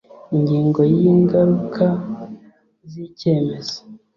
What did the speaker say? ingingo ya ingaruka z icyemezo